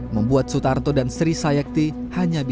membuat sutarto dan sri sayakti hanya bisa